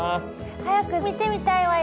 早く見てみたいわよ。